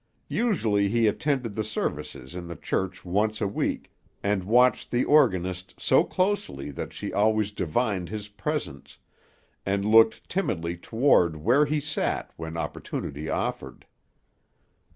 Usually he attended the services in the church once a week, and watched the organist so closely that she always divined his presence, and looked timidly toward where he sat when opportunity offered.